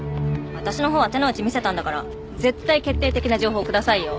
私のほうは手の内見せたんだから絶対決定的な情報くださいよ。